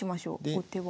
後手は。